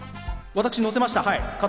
私、載せました。